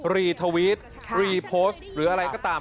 รีทวิตรีโพสต์หรืออะไรก็ตาม